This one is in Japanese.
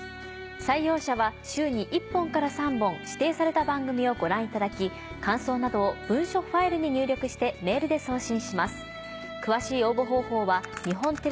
採用者は週に１本から３本指定された番組をご覧いただき感想などを文書ファイルに入力してメールで送信します。